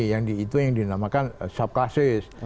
yang itu yang dinamakan subcasis